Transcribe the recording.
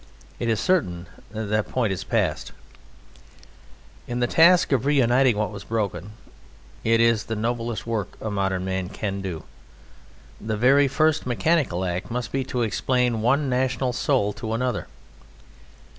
It is certain that that point is passed. In the task of reuniting what was broken it is the noblest work a modern man can do the very first mechanical act must be to explain one national soul to another.